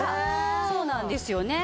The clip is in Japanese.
そうなんですよね。